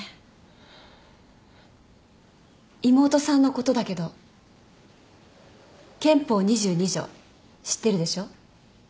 妹さんのことだけど憲法２２条知ってるでしょ？